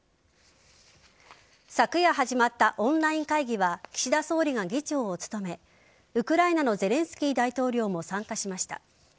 昨夜始まったオンライン会議は岸田総理が議長を務めウクライナのゼレンスキー大統領も参加しました。